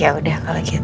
yaudah kalo gitu